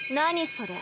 それ。